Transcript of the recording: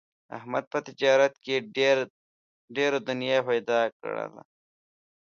احمد په تجارت کې ډېره دنیا پیدا کړله.